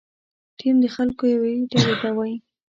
ټیم د خلکو یوې ډلې ته وایي.